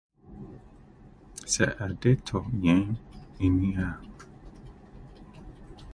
Sɛ ade tɔ yɛn ani a